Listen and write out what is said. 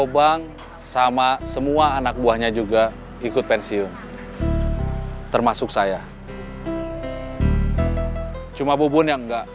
darman buat bubun